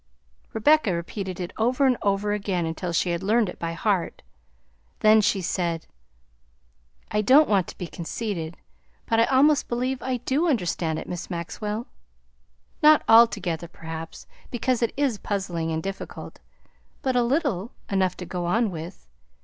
Rebecca repeated it over and over again until she had learned it by heart; then she said, "I don't want to be conceited, but I almost believe I do understand it, Miss Maxwell. Not altogether, perhaps, because it is puzzling and difficult; but a little, enough to go on with.